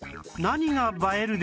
「何が映える」？